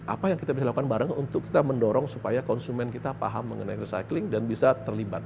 apa yang kita bisa lakukan bareng untuk kita mendorong supaya konsumen kita paham mengenai recycling dan bisa terlibat